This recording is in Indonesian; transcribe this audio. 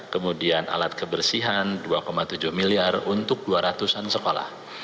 kemudian alat kebersihan rp dua tujuh miliar untuk dua ratus an sekolah